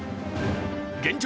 現状